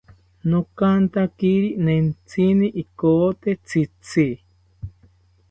Nokantakiri nentzite ikote tzitzi